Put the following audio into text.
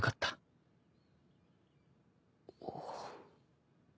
ああ。